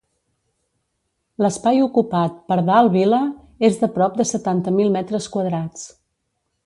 L'espai ocupat per dalt Vila és de prop de setanta mil metres quadrats.